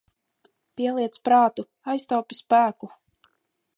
Pieliec prātu, aiztaupi spēku.